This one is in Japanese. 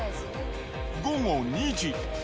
午後２時。